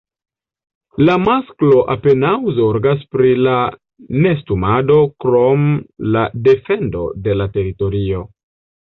La masklo apenaŭ zorgas pri la nestumado krom la defendo de la teritorio.